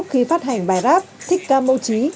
khi phát hành bài rap thích ca mâu trí